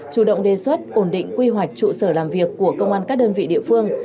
chủ động đề xuất ổn định quy hoạch trụ sở làm việc của công an các đơn vị địa phương